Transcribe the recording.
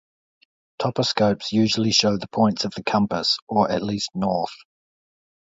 Toposcopes usually show the points of the compass, or at least North.